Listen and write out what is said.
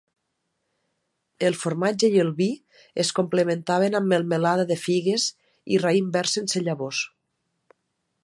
El formatge i el vi es complementaven amb melmelada de figues i raïm verd sense llavors.